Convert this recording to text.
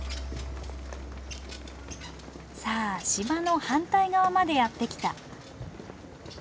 さあ島の反対側までやって来た。